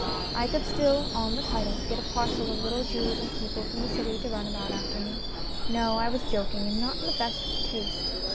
I could still, on the title, get a parcel of little Jews and people from the City to run about after me. No, I was joking, and not in the best taste.